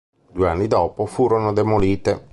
Due anni dopo furono demolite.